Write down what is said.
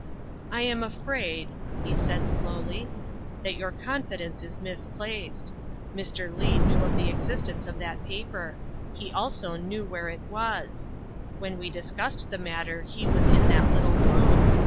" I am afraid," he said slowly, " that your confi dence was misplaced. Mr. Leigh knew of the existence of that paper; he also knew where it was. When we discussed the matter he was in that little room.